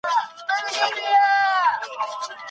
د خپلي قوې تخیل څخه ګټه واخلئ.